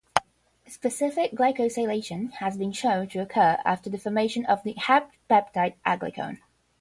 Specific glycosylation has been shown to occur after the formation of the heptpeptide aglycone.